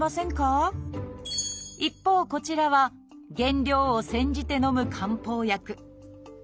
一方こちらは原料を煎じてのむ漢方薬。